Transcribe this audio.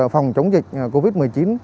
phòng chống dịch covid một mươi chín